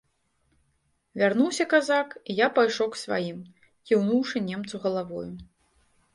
Вярнуўся казак, і я пайшоў к сваім, кіўнуўшы немцу галавою.